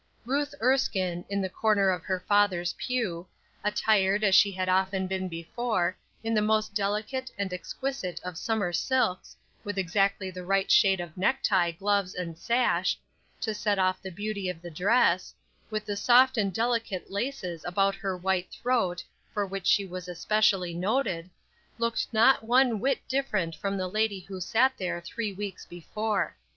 Ruth Erskine, in the corner of her father's pew, attired, as she had often been before, in the most delicate and exquisite of summer silks, with exactly the right shade of necktie, gloves and sash, to set off the beauty of the dress, with the soft and delicate laces about her white throat, for which she was especially noted, looked not one whit different from the lady who sat there three weeks before.